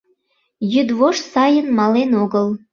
Йӱдвошт сайын мален огыл.